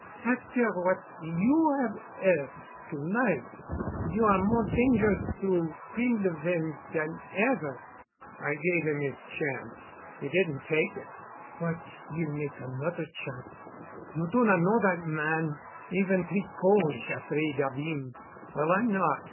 After what you 'ave 'eard to night, you are more dangerous to Quinlevin dan ever." "I gave him his chance. He didn't take it." "But he'll make anoder chance. You do not know dat man. Even Tricot is afraid of 'im." "Well, I'm not.